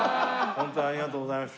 ホントありがとうございました。